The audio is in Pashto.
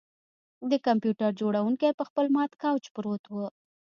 د کمپیوټر جوړونکی په خپل مات شوي کوچ پروت و